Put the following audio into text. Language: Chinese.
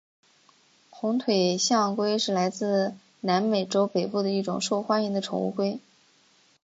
红腿象龟是来自南美洲北部的一种受欢迎的宠物龟。